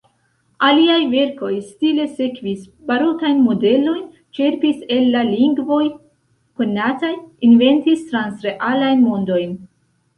Aliaj verkoj stile sekvis barokajn modelojn; ĉerpis el la lingvoj konataj, inventis transrealajn mondojn.